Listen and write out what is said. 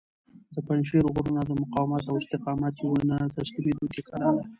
د پنجشېر غرونه د مقاومت او استقامت یوه نه تسلیمیدونکې کلا ده.